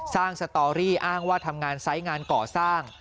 สตอรี่อ้างว่าทำงานไซส์งานก่อสร้าง